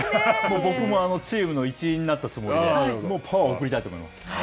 僕も、チームの一員になったつもりで、もうパワーを送りたいと思います。